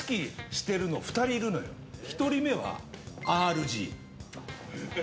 １人目はＲＧ。